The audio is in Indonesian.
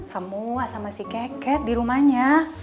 semua sama si keket di rumahnya